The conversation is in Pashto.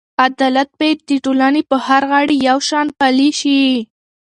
عدالت باید د ټولنې په هر غړي یو شان پلی شي.